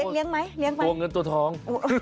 เลี้ยงไหมไปอยู่นะโอ้โหตัวเงินตัวทอง